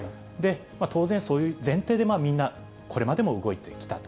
当然、そういう前提で、みんなこれまでも動いてきたと。